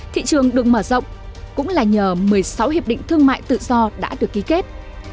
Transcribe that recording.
thị trường được mở rộng cũng là nhờ một mươi sáu hiệp định thương mại tự do đã được ký kết